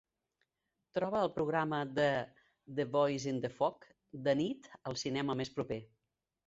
Troba el programa de "The Voice in the Fog" de nit al cinema més proper.